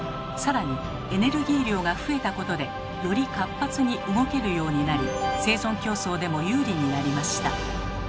さらにエネルギー量が増えたことでより活発に動けるようになり生存競争でも有利になりました。